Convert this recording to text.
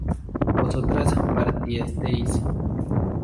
vosotras partisteis